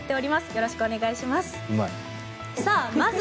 よろしくお願いします。